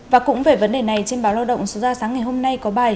và cũng về vấn đề này trên báo lao động số ra sáng ngày hôm nay có bài